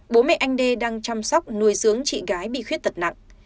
bố mẹ anh đê đang chăm sóc nuôi dưỡng chị gái bị khuyết tật nặng